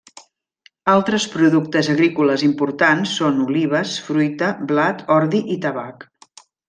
Altres productes agrícoles importants són olives, fruita, blat, ordi i tabac.